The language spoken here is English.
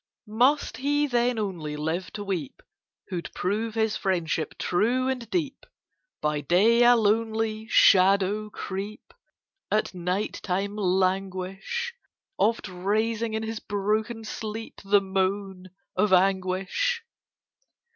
Must he then only live to weep, Who'd prove his friendship true and deep By day a lonely shadow creep, At night time languish, Oft raising in his broken sleep The moan of anguish?